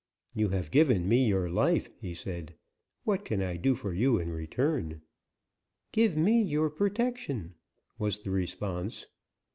"You have given me your life," he said; "what can I do for you in return?" "Give me your protection," was the response.